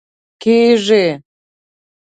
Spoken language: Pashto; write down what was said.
کېږي